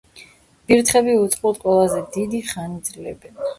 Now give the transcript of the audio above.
ვირთხები უწყლოდ ყველაზე დიდი ხანი ძლებენ